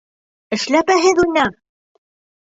Эшләпәһеҙ уйна!